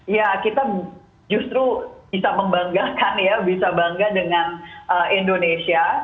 ya kita justru bisa membanggakan ya bisa bangga dengan indonesia